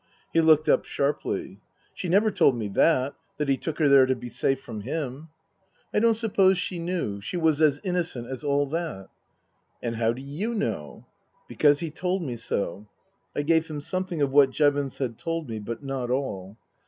He looked up sharply. " She never told me that that he took her there to be safe from him." " I don't suppose she knew. She was as innocent as all that." " And how do you know ?"" Because he told me so." I gave him something of what Jevons had told me, but not all.